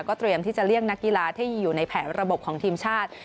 เตรียมที่จะเลี่ยงนักกีฬาที่อยู่ในแผนระบบของทีมชาติ